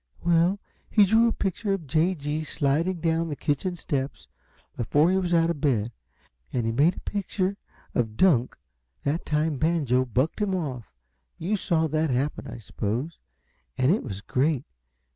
"Well, he drew a picture of J. G. sliding down the kitchen steps, before he was out of bed. And he made a picture of Dunk, that time Banjo bucked him off you saw that happen, I suppose and it was great!